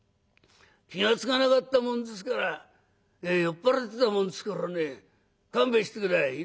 気が付かなかったもんですから酔っ払ってたもんですからね勘弁して下さい」。